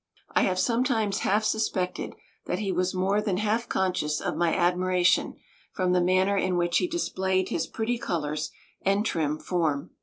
I have sometimes half suspected that he was more than half conscious of my admiration from the manner in which he displayed his pretty colors and trim form.